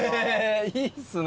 いいっすね。